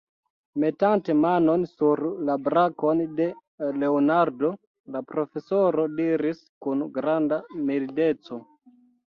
Metante manon sur la brakon de Leonardo, la profesoro diris kun granda mildeco: